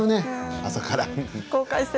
朝から。